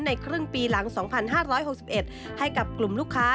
ครึ่งปีหลัง๒๕๖๑ให้กับกลุ่มลูกค้า